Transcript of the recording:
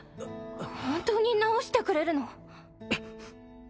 本当に治してくれるの？